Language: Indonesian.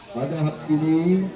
pada hari ini